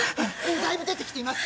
だいぶ出てきています。